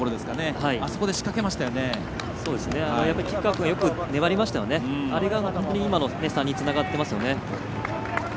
吉川君よく粘りましたよね、あれが今の差につながっていますよね。